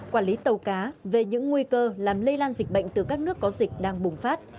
quản lý tàu cá về những nguy cơ làm lây lan dịch bệnh từ các nước có dịch đang bùng phát